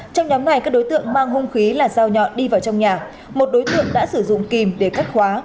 trong nhóm này các đối tượng mang hung khí là dao nhọn đi vào trong nhà một đối tượng đã sử dụng kìm để cắt khóa